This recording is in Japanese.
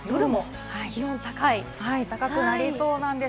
高くなりそうなんです。